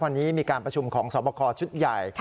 วันนี้มีการประชุมของสวบคอชุดใหญ่